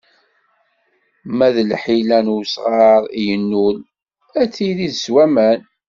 Ma d lḥila n usɣar i yennul, ad tirid s waman.